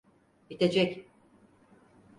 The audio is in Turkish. Bitecek.